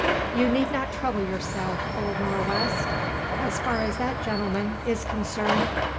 "You need not trouble yourself, old Nor' west, as far as that gentleman is concerned.